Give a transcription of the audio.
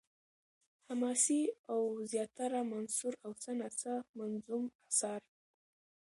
حماسې او زياتره منثور او څه نا څه منظوم اثار